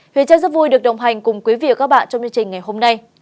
huyện trang rất vui được đồng hành cùng quý vị và các bạn trong chương trình ngày hôm nay